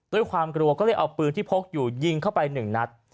ด้วยความกลัวก็เลยเอาปืนที่พกอยู่ยิงเข้าไปหนึ่งนัด